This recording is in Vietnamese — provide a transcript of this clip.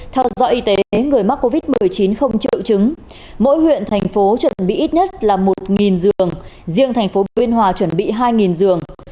theo dõi y tế người mắc covid một mươi chín không triệu chứng mỗi huyện thành phố chuẩn bị ít nhất là một giường riêng thành phố biên hòa chuẩn bị hai giường